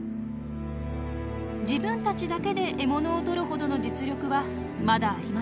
自分たちだけで獲物を取るほどの実力はまだありません。